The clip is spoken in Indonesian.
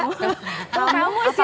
kamu sih apa sih